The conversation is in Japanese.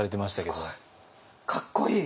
かっこいい。